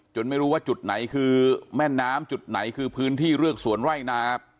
ไม่รู้ว่าจุดไหนคือแม่น้ำจุดไหนคือพื้นที่เลือกสวนไร่นา